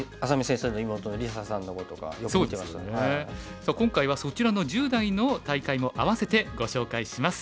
さあ今回はそちらの１０代の大会も併せてご紹介します。